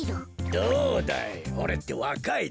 どうだい？